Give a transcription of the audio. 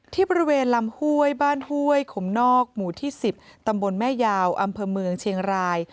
ที่บริเวณลำห้วยบ้านห้วยขมนอกหมู่ที่๑๐ตำบลแม่ยาวอำเภอเมืองเชียงราย